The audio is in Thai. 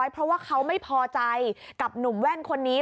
เพราะว่าเขาไม่พอใจกับหนุ่มแว่นคนนี้